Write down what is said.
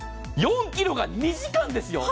４ｋｇが２時間ですよ！